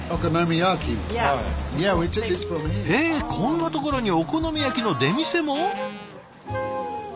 へえこんなところにお好み焼きの出店も？